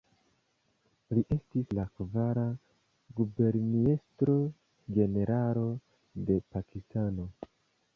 Li estis la kvara guberniestro-generalo de Pakistano.